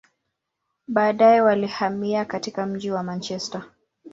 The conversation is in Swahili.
Baadaye, walihamia katika mji wa Manchester.